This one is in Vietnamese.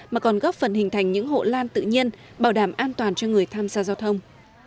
mà còn góp phần hình thành những hộ lan tự nhiên bảo đảm an toàn cho người tham gia giao thông